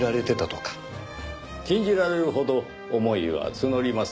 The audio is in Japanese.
禁じられるほど思いは募ります。